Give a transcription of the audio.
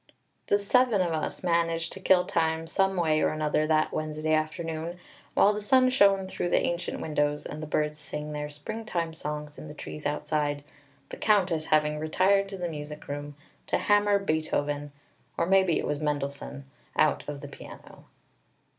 The seven of us managed to kill time some way or another that Wednesday afternoon, while the sun shone through the ancient windows, and the birds sang their springtime songs in the trees outside, the Countess having retired to the music room to hammer Beethoven, or maybe it was Mendelssohn, out of the piano.